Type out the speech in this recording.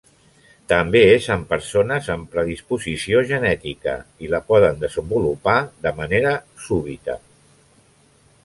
També és en persones amb predisposició genètica i la poden desenvolupar de manera súbdita.